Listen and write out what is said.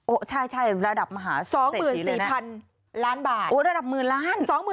โอ๊ยใช่ระดับมหาเสร็จถีเลยนะโอ๊ยระดับ๑๐๐๐๐๐๐๐บาท